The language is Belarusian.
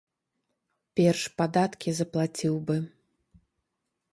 Перш падаткі заплаціў бы.